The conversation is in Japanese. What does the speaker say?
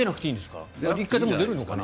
１回出るのかな。